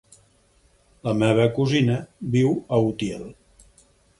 La meva cosina viu a Utiel.